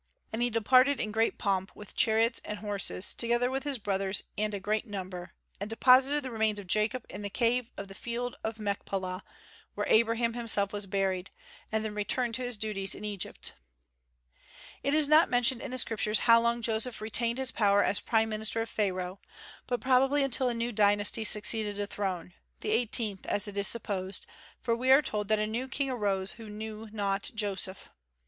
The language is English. And he departed in great pomp, with chariots and horses, together with his brothers and a great number, and deposited the remains of Jacob in the cave of the field of Machpelah, where Abraham himself was buried, and then returned to his duties in Egypt. It is not mentioned in the Scriptures how long Joseph retained his power as prime minister of Pharaoh, but probably until a new dynasty succeeded the throne, the eighteenth as it is supposed, for we are told that a new king arose who knew not Joseph.